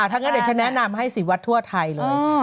ถ้างั้นเดี๋ยวฉันแนะนำให้สีวัดทั่วไทยเลย